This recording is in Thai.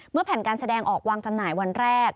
แผ่นการแสดงออกวางจำหน่ายวันแรก